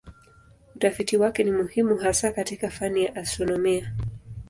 Utafiti wake ni muhimu hasa katika fani ya astronomia.